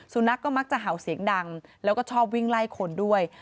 สุนัขก็มักจะเห่าเสียงดังแล้วก็ชอบวิ่งไล่คนด้วย